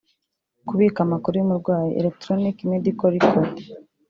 Kubika amakuru y’umurwayi (Electronic Medical Record)